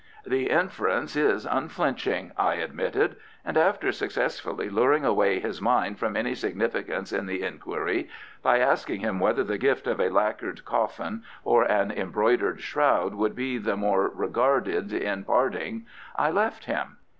"The inference is unflinching," I admitted, and after successfully luring away his mind from any significance in the inquiry by asking him whether the gift of a lacquered coffin or an embroidered shroud would be the more regarded on parting, I left him.